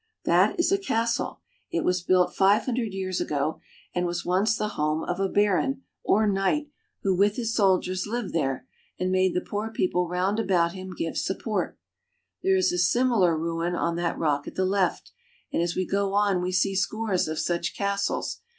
That is a castle. It was built five hundred years ago and was once the home of a baron or knight who, with his soldiers, lived there, and made the poor people round about give him support. There is a similar ruin on that rock at the left, and as we go on we see scores of such cas tles.